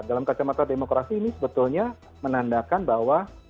dalam kacamata demokrasi ini sebetulnya menandakan bahwa